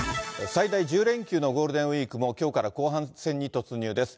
最大１０連休のゴールデンウィークも、きょうから後半戦に突入です。